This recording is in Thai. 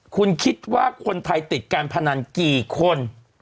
คุณคิดว่าคนไทยติดการพนันกี่คน